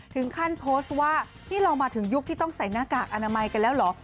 ถึงขั้นโพสต์ว่านี่เรามาถึงยุคที่ต้องใส่หน้ากากอนามัยกันแล้วเหรอ